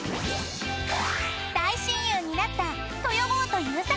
［大親友になった豊坊と優作さん］